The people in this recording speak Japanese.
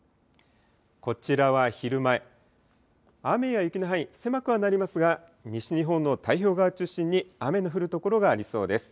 こちらは昼前、雨や雪の範囲、狭くはなりますが、西日本の太平洋側中心に、雨の降る所がありそうです。